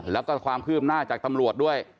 แล้วก็ความคืบหน้าจากตำรวจด้วย